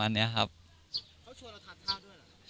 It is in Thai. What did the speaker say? เขาชวนเราทานข้าวด้วยหรือครับ